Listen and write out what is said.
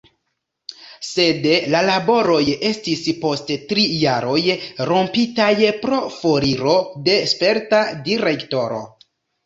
Sed la laboroj estis post tri jaroj rompitaj pro foriro de sperta direktoro.